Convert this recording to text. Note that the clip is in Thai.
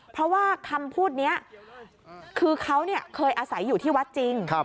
เพราะว่าคำพูดนี้คือเขาเคยอาศัยอยู่ที่วัดจริง